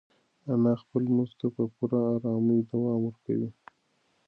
انا خپل لمانځه ته په پوره ارامۍ دوام ورکوي.